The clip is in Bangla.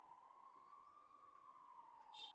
এর জন্য চাই অলৌকিক শক্তি।